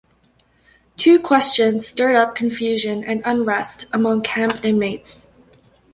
Two questions stirred up confusion and unrest among camp inmates.